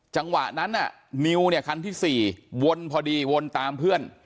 จังหวะนั้นน่ะนิวเนี่ยคันที่๔วนพอดีวนตามเพื่อน